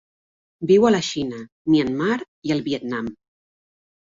Viu a la Xina, Myanmar i el Vietnam.